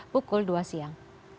pukul dua siang